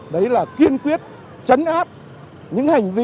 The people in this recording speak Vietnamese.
đó là kiên quyết chấn áp những hành vi